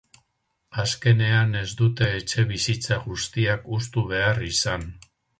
Azkenean ez dute etxebizitza guztiak hustu behar izan.